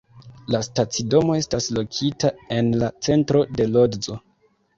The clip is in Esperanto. La stacidomo estas lokita en la centro de Lodzo.